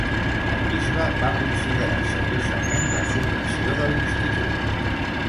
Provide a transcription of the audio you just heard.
El bisbe va considerar seriosament la supressió de l'institut.